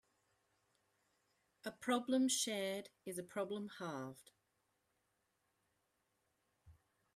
A problem shared is a problem halved.